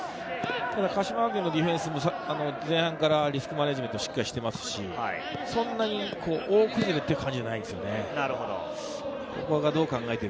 鹿島学園のディフェンスも、リスクマネジメントしっかりしていますし、そんなに大崩れという感じではないですよね。